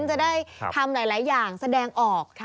จะได้ทำหลายอย่างแสดงออก